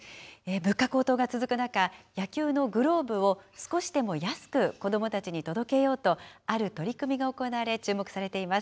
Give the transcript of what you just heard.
物価高騰が続く中、野球のグローブを少しでも安く子どもたちに届けようと、ある取り組みが行われ、注目されています。